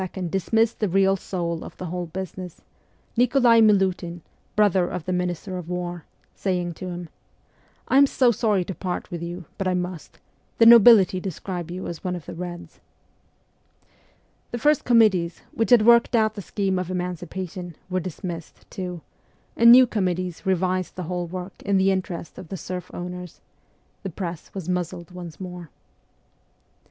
dismissed the real soul ot the whole business, Nikolai Milutin (brother of the minister of war), saying to him, 'I am so sorry to part with you, but I must : the nobility describe you as one of the Reds.' The first committees, which had worked out the scheme of emancipation, were dismissed, too, and new committees revised the whole work in the interest of the serf owners ; the press was muzzled once more.